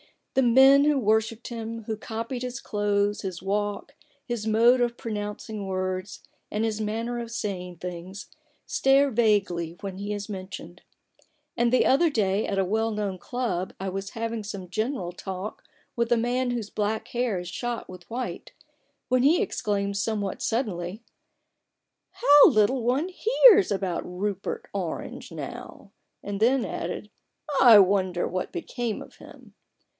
The men who wor shipped him, who copied his clothes, his walk, his mode of pronouncing words, and his manner of saying things, stare vaguely when he is mentioned. And the other day at a well known club I was having some general talk with a man whose black hair is shot with white, when he exclaimed somewhat suddenly :*' How little one hears about Rupert Orange now !" and then added :" I wonder what became of him